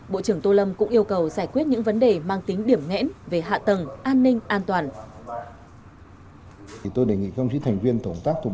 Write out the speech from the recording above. bộ trưởng tô lâm cũng yêu cầu giải quyết những vấn đề mang tính điểm nghẽn về hạ tầng an ninh an toàn